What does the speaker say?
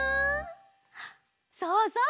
そうそう！